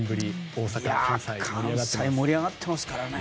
いやあ、関西盛り上がってますからね！